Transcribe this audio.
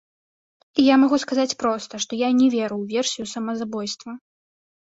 І я магу сказаць проста, што я не веру ў версію самазабойства.